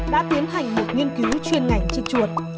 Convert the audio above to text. đã tiến hành một nghiên cứu chuyên ngành trên chuột